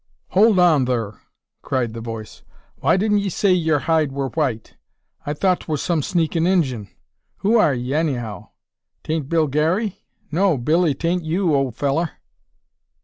"Hold on thur!" cried the voice. "Why didn't 'ee say yur hide wur white? I thought 'twur some sneaking Injun. Who are 'ee, anyhow? 'Tain't Bill Garey? No, Billee, 'tain't you, ole fellur."